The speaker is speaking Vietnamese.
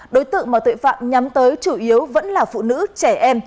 đối tượng mà tội phạm nhắm tới chủ yếu vẫn là phụ nữ trẻ em